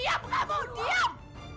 diam kamu diam